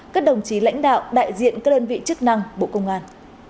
các đồng chí lãnh đạo đại diện các đơn vị chức năng bộ công an